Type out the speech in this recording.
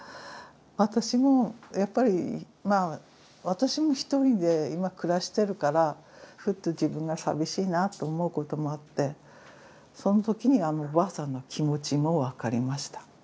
私も一人で今暮らしてるからふっと自分が寂しいなと思うこともあってその時にあのおばあさんの気持ちも分かりました。